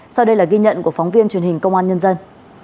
sau đây là ghi nhận của phóng viên truyền hình công an nhân dân